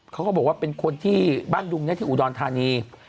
เขาก็บอกว่าเป็นคนที่บ้านดุงที่อุดรธานี